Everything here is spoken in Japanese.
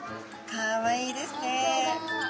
かわいいですね